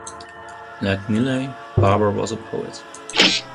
Like Millay, Barber was a poet.